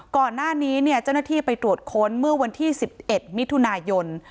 ก่อนหน้านี้เจ้าหน้าที่ไปตรวจค้นเมื่อวันที่๑๑มิถุนายน